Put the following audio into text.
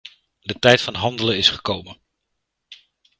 De tijd van handelen is gekomen!